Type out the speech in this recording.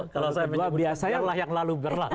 kalau saya menyebutkan yang lalu berlah